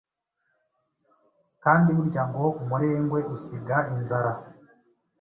kandi buryango umurengwe usiga inzara